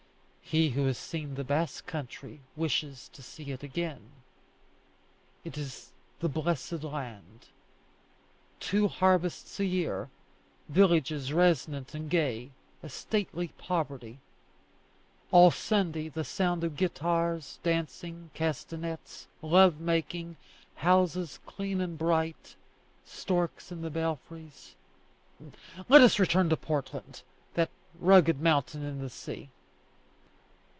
He who has seen the Basque country wishes to see it again. It is the blessed land. Two harvests a year; villages resonant and gay; a stately poverty; all Sunday the sound of guitars, dancing, castanets, love making; houses clean and bright; storks in the belfries. Let us return to Portland that rugged mountain in the sea.